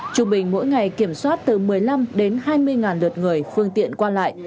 trung bình mỗi ngày kiểm soát từ một mươi năm đến hai mươi lượt người phương tiện qua lại